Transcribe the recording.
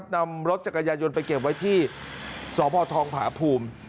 นำรถจักรยายนต์ไปเก็บไว้ที่สพทองผาภูมิ